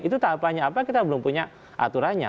itu tahapannya apa kita belum punya aturannya